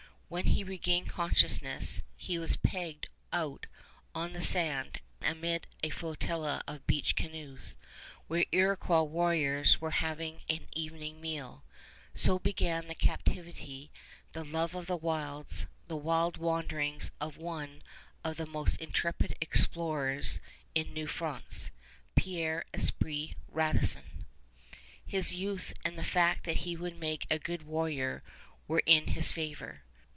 When he regained consciousness, he was pegged out on the sand amid a flotilla of beached canoes, where Iroquois warriors were having an evening meal. So began the captivity, the love of the wilds, the wide wanderings of one of the most intrepid explorers in New France, Pierre Esprit Radisson. His youth and the fact that he would make a good warrior were in his favor.